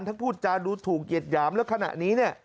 ถ้าพูดจานดูถูกเย็ดหยามแล้วขณะนี้เนี่ย